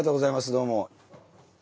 どうも。